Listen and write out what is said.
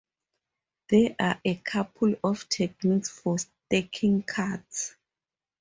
There are a couple of techniques for "Stacking" cards.